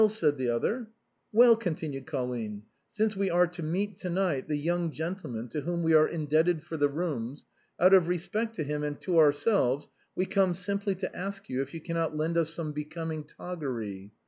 " Well ?" said the other. " Well," continued Colline, " since we are to meet to night, the young gentleman to whom we are indebted for the rooms, out of respect to him and to ourselves, we come simply to ask you if you cannot lend us some becoming toggery.